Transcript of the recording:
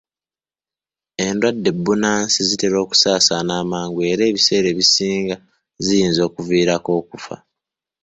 Endwadde bbunansi zitera okusaasaana amangu era ebiseera ebisinga ziyinza okkuviirako okufa.